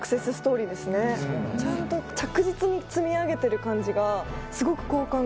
ちゃんと着実に積み上げてる感じが。